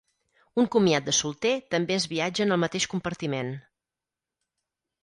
Un comiat de solter també es viatja en el mateix compartiment.